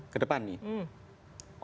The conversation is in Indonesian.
ke depan nih